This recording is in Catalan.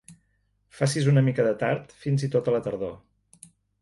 Facis una mica de tard, fins i tot a la tardor.